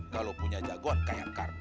kalau punya jagoan kayak karbon